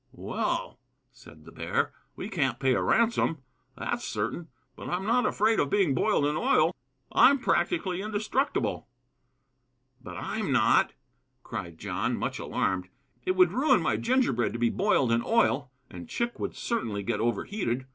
"Well," said the bear, "we can't pay a ransom, that's certain; but I'm not afraid of being boiled in oil. I'm practically indestructible." "But I'm not!" cried John, much alarmed. "It would ruin my gingerbread to be boiled in oil, and Chick would certainly get overheated.